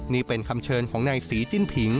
นี่เป็นคำเชิญของนายศรีจิ้นผิง